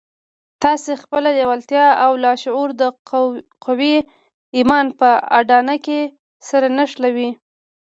تاسې خپله لېوالتیا او لاشعور د قوي ايمان په اډانه کې سره نښلوئ.